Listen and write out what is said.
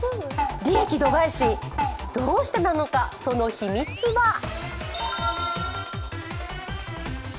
利益度外視、どうしてなのか、その秘密は？